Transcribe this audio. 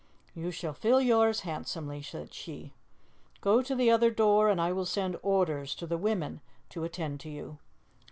"You shall fill yours handsomely," said she; "go to the other door and I will send orders to the women to attend to you."